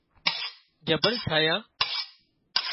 جبل ٺاهيان